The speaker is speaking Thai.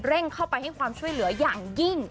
เข้าไปให้ความช่วยเหลืออย่างยิ่ง